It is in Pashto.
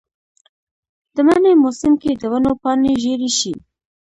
د منې موسم کې د ونو پاڼې ژیړې شي.